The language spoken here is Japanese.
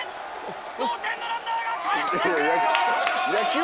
同点のランナーがかえってくる！